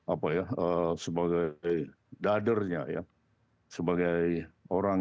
apa ya sebagai dadernya ya sebagai orang